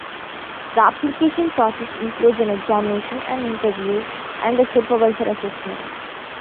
The application process includes an examination, an interview, and a supervisor assessment.